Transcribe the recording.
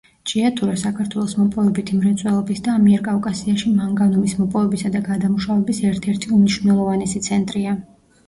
ჭიათურა საქართველოს მოპოვებითი მრეწველობის და ამიერკავკასიაში მანგანუმის მოპოვებისა და გადამუშავების ერთ-ერთი უმნიშვნელოვანესი ცენტრია.